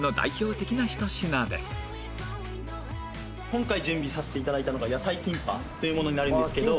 今回準備させて頂いたのが野菜キンパというものになるんですけど。